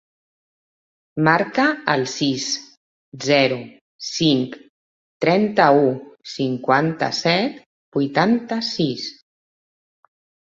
Marca el sis, zero, cinc, trenta-u, cinquanta-set, vuitanta-sis.